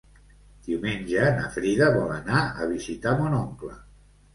Diumenge na Frida vol anar a visitar mon oncle.